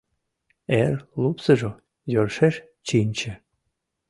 Эр лупсыжо йӧршеш чинче